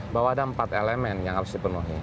bahwa ada empat elemen yang harus dipenuhi